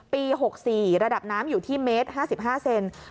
ปี๖๔ระดับน้ำอยู่ที่เมตร๕๕เซน